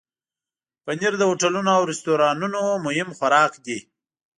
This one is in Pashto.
پنېر د هوټلونو او رستورانونو مهم خوراک دی.